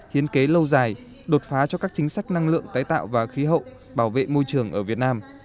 hiến kế lâu dài đột phá cho các chính sách năng lượng tái tạo và khí hậu bảo vệ môi trường ở việt nam